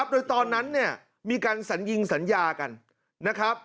โดยตอนนั้นมีการสัญญิงสัญญากันนะครับ